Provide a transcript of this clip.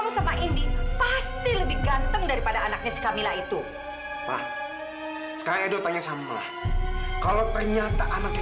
sampai jumpa di video selanjutnya